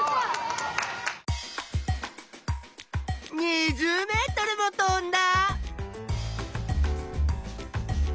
２０ｍも飛んだ！